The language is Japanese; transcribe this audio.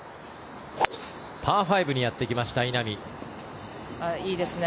パー５にやってきました稲見。